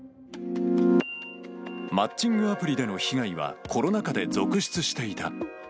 マッチングアプリでの被害は、コロナ禍で続出していた。